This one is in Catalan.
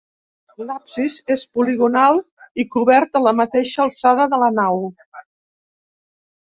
L'absis és poligonal i cobert a la mateixa alçada de la nau.